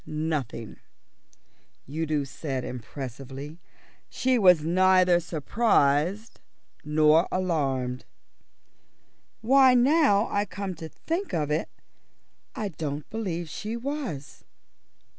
"Nothing," said Udo impressively. "She was neither surprised nor alarmed." "Why, now I come to think of it, I don't believe she was."